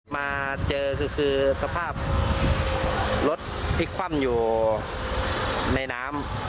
มาเจอคือสภาพรถพลิกคว่ำอยู่ในน้ำ